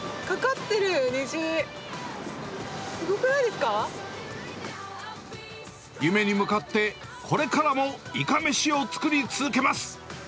架かってる、夢に向かって、これからもいかめしを作り続けます。